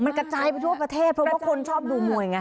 มันกระจายไปทั่วประเทศเพราะว่าคนชอบดูมวยไง